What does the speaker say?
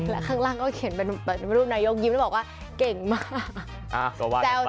แล้วข้างล่างก็เขียนเป็นรูปนายกยิ้มแล้วบอกว่าเก่งมาก